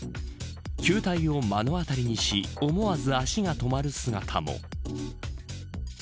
球体を目の当たりにし思わず足が止まる姿も。